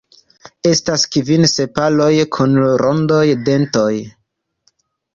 Estas kvin sepaloj kun rondaj dentoj.